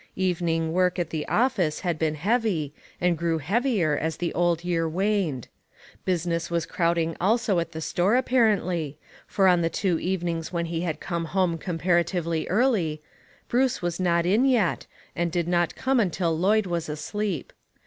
Evening work at the office had been heavy, and grew heavier as the old year waned. Business was crowding also at the store, apparently, for on the two evenings when he had come home comparatively early, Bruce was not in yet, and did not come until Lloyd was asleep.